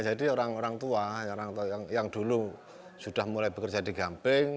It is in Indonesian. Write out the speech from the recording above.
jadi orang orang tua yang dulu sudah mulai bekerja di gamping